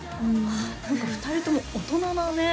何か２人とも大人なねえ